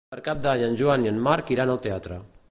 Per Cap d'Any en Joan i en Marc iran al teatre.